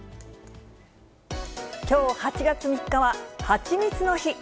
きょう、８月３日ははちみつの日。